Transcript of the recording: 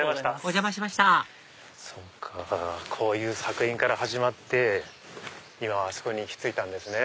お邪魔しましたそっかこういう作品から始まって今あそこに行き着いたんですね。